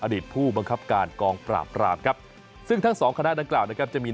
อดีตผู้บังคับการกองประปราณครับซึ่งทั้งสองคณะดังกล่าวไม่ก็